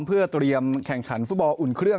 เพื่อเตรียมแข่งขันฟุตบอลอุ่นเครื่อง